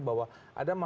bahwa ada masalah